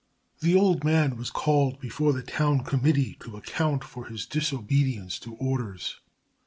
The old man was called before the town committee to account for his disobedience to orders.